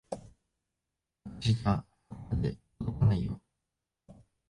私じゃそこまで届かないよ。